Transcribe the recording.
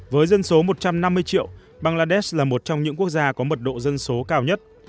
với dân số một trăm năm mươi triệu bangladesh là một trong những quốc gia có mật độ dân số cao nhất